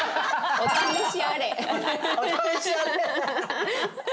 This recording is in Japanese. お試しあれ！